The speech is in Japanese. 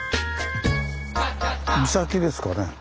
岬ですかね。